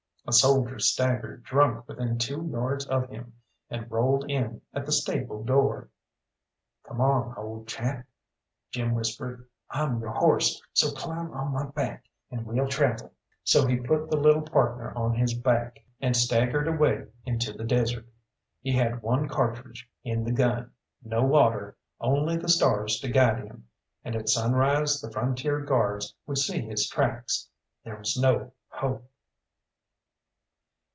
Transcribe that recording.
A soldier staggered drunk within two yards of him, and rolled in at the stable door. "Come on, old chap," Jim whispered; "I'm your horse, so climb on my back, and we'll travel." So he put the little partner on his back, and staggered away into the desert. He had one cartridge in the gun, no water, only the stars to guide him, and at sunrise the Frontier Guards would see his tracks. There was no hope.